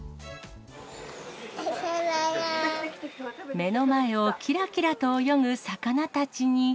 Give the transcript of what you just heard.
目の前をきらきらと泳ぐ魚たちに。